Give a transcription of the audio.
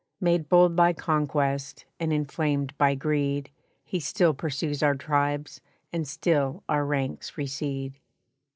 Made bold by conquest, and inflamed by greed, He still pursues our tribes, and still our ranks recede.